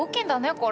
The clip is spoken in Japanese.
これ。